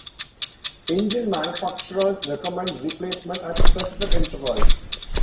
Engine manufacturers recommend replacement at specific intervals.